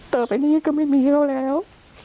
ต่อไปนี้ก็ไม่มีเขาแล้ว